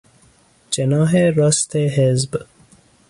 جناح راست حزب